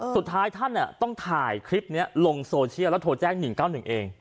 สุดท้ายท่านต้องถ่ายคลิปนี้ลงโซเชียลแล้วโทรแจ้ง๑๙๑เอง